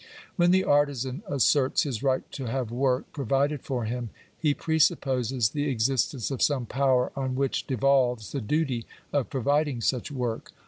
When the artizan asserts his right to have work provided for him, he presupposes the existence of some power on which devolves the duty of providing such work.